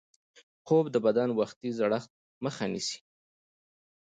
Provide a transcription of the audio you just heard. خوب د بدن وختي زړښت مخه نیسي